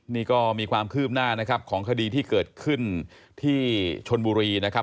นี่ก็มีความคืบหน้านะครับของคดีที่เกิดขึ้นที่ชนบุรีนะครับ